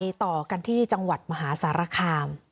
ตัวต่อกันที่จังหวัดมหาศรคาร์